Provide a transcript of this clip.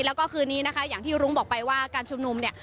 แล้วก็คืนนี้นะคะอย่างที่รุ้งบอกไปว่าการชุมนุมเนี่ย